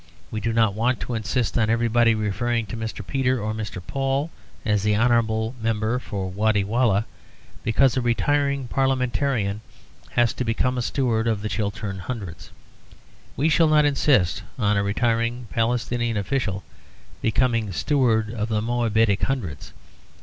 We do not want to insist on everybody referring to Mr. Peter or Mr. Paul, as the honourable member for Waddy Walleh; because a retiring Parliamentarian has to become Steward of the Chiltern Hundreds, we shall not insist on a retiring Palestinian official becoming Steward of the Moabitic Hundreds.